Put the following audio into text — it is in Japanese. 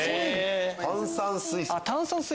炭酸水素。